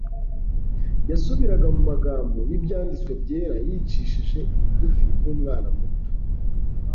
Yasubiraga mu magambo y'Ibyanditswe byera yicishije bugufi nk'umwana muto,